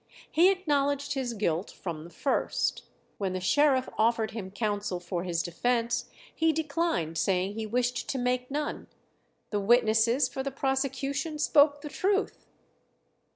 He acknowledged his guilt from the first. When the sheriff offered him counsel for his defence, he declined, saying he wished to make none "the witnesses for the prosecution spoke the truth."